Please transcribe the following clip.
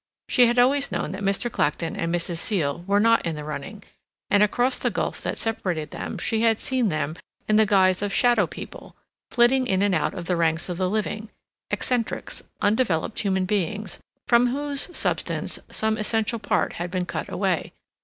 She had always known that Mr. Clacton and Mrs. Seal were not in the running, and across the gulf that separated them she had seen them in the guise of shadow people, flitting in and out of the ranks of the living—eccentrics, undeveloped human beings, from whose substance some essential part had been cut away.